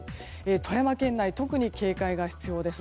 富山県内、特に警戒が必要です。